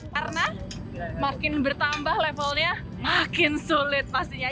karena makin bertambah levelnya makin sulit pastinya